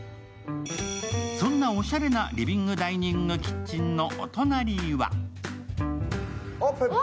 そんなおしゃれなリビングダイニングキッチンのお隣は？